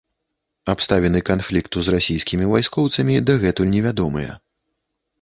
Абставіны канфлікту з расійскімі вайскоўцамі дагэтуль невядомыя.